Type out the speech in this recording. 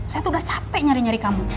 saya tuh udah capek nyari nyari kamu